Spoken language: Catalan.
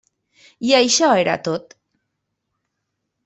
I això era tot.